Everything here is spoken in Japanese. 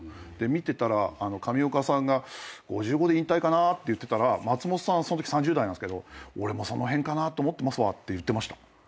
見てたら上岡さんが「５５で引退かな」って言ってたら松本さんそのとき３０代なんですけど「俺もその辺かなと思ってますわ」って言ってました。